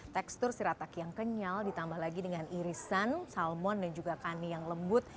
tekstur sirataki yang kenyal ditambah lagi dengan irisan salmon dan juga kani yang lembut